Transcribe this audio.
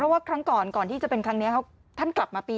ว่าครั้งก่อนก่อนที่จะเป็นครั้งนี้ท่านกลับมาปี๒